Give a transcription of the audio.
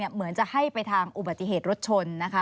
เหมือนจะให้ไปทางอุบัติเหตุรถชนนะคะ